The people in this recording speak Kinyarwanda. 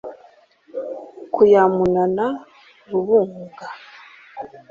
Ku ya Munana rubunga,